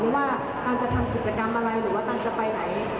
ว่าตันจะทำกิจกรรมอะไรหรือว่าตันจะไปไหน